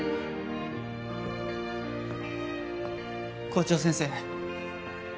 校長先生。